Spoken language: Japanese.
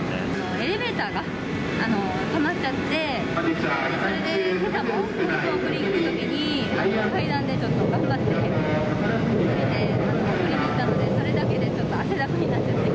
エレベーターが止まっちゃって、それでけさも、子どもを送りに行くときに、階段でちょっと頑張って送りに行ったので、それだけでちょっと汗だくになって。